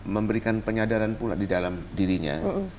memberikan penyadaran pula di dalam dirinya